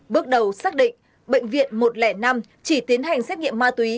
bước đầu xác định bệnh viện một trăm linh năm chỉ tiến hành xét nghiệm ma túy